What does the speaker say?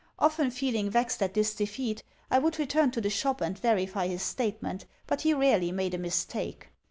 Often feeling vexed at this defeat, I would return to the shop and verify his statement, but he rarely made a mistake.